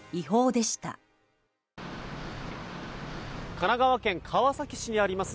神奈川県川崎市にあります